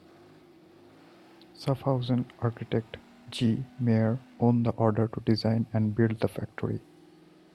Schaffhausen architect G. Meyer won the order to design and build the factory.